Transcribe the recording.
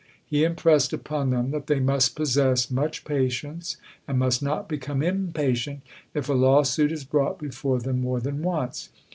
He impressed upon them that they must possess much patience, and must not become impatient if a lawsuit is brought before them more than once.